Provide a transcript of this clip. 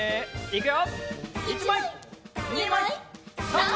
いくよ！